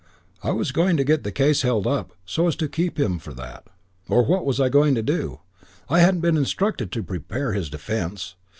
Was I going to get the case held up so as to keep him for that? Or what was I going to do? I hadn't been instructed to prepare his defence.